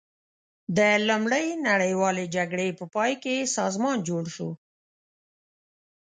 د لومړۍ نړیوالې جګړې په پای کې سازمان جوړ شو.